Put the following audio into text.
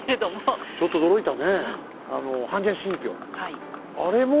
ちょっと驚いたね。